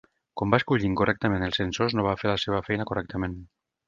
Quan va escollir incorrectament els sensors no va fer la seva feina correctament.